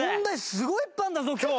すごいいっぱいあんだぞ今日。